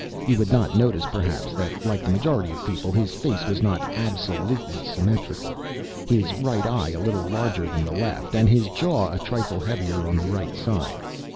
You would notice, perhaps, that, like the majority of people, his face was not absolutely symmetrical, his right eye a little larger than the left, and his jaw a trifle heavier on the right side.